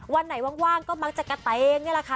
วันไหนว่างก็มักจะกระเตงนี่แหละค่ะ